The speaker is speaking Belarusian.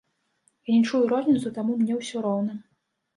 Я не чую розніцы, таму мне ўсё роўна.